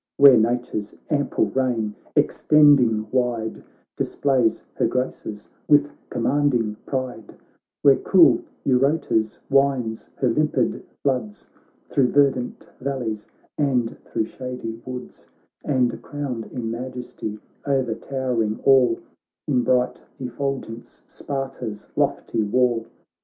Where Nature's ample reign, extending wide, Displays her graces with commanding pride ; Where cool Eurotas winds her Hmpid floods Thro' verdant valleys, and thro' shady woods ; And crowned in majesty o'ertowering all, In bright effulgence Sparta's lofty wall.